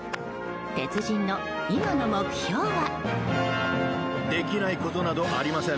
鉄人の今の目標は。